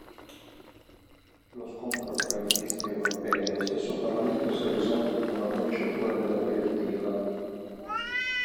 Lo scontro tra i ministri europei e lo stesso Parlamento si è risolto con la bocciatura della direttiva.